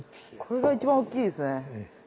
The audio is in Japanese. これが一番大きいですね。